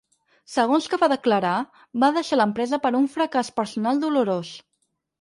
Segons que va declarar, va deixar l’empresa per ‘un fracàs personal dolorós’.